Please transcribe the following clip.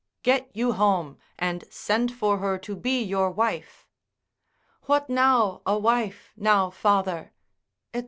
M. Get you home, and send for her to be your wife. Ae. What now a wife, now father, &c.